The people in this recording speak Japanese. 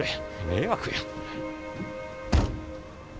迷惑や。